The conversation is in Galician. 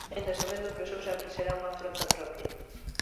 Aínda sabendo que o seu sempre será unha frota propia.